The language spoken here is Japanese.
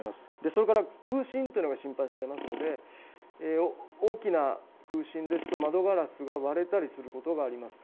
それから空振というのが心配されますので大きな空振ですと窓ガラスが割れたりすることがあります。